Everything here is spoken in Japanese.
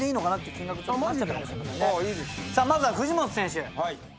まずは藤本選手。